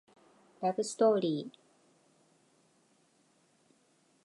ラブストーリー